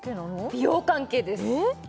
美容関係ですえっ？